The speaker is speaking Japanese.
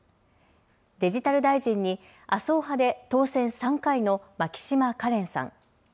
デジタル大臣に麻生派で当選３回の牧島かれんさん。